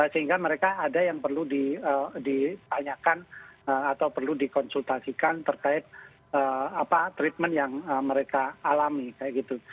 sehingga mereka ada yang perlu ditanyakan atau perlu dikonsultasikan terkait treatment yang mereka alami kayak gitu